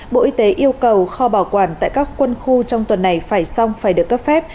bộ y tế yêu cầu kho bảo quản tại các quân khu trong tuần này phải xong phải được cấp phép